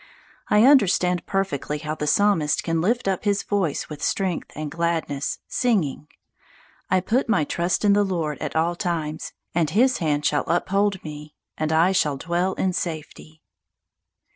I understand perfectly how the Psalmist can lift up his voice with strength and gladness, singing, "I put my trust in the Lord at all times, and his hand shall uphold me, and I shall dwell in safety."